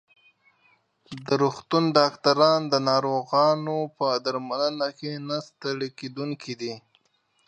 د روغتون ډاکټران د ناروغانو په درملنه کې نه ستړي کېدونکي دي.